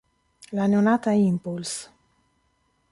La neonata Impulse!